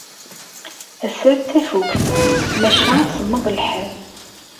Ass-a d tafukt, maca semmeḍ lḥal.